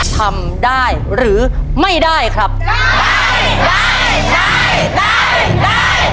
ทำได้หรือไม่ได้ครับได้ได้